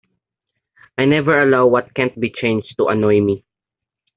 I never allow what can't be changed to annoy me.